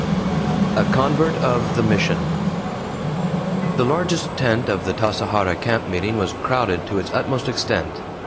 A CONVERT OF THE MISSION The largest tent of the Tasajara camp meeting was crowded to its utmost extent.